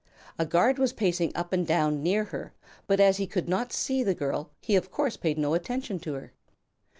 A guard was pacing up and down near her, but as he could not see the girl he of course paid no attention to her.